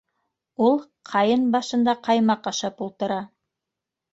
Ул... ҡайын башында, ҡаймаҡ ашап ултыра...